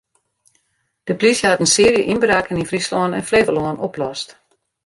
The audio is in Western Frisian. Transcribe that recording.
De plysje hat in searje ynbraken yn Fryslân en Flevolân oplost.